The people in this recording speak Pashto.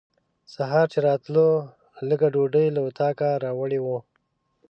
سهار چې راتلو لږه ډوډۍ له اطاقه راوړې وه.